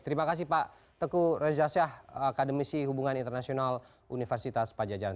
terima kasih pak teguh reza syah akademisi hubungan internasional universitas pajajaran